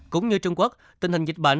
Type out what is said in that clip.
cũng như trung quốc tình hình dịch bệnh